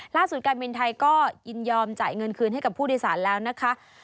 การบินไทยก็ยินยอมจ่ายเงินคืนให้กับผู้โดยสารแล้วนะคะ